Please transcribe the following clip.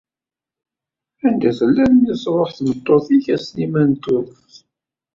Anda telliḍ mi truḥ tmeṭṭut-ik a Sliman n Tuḍeft?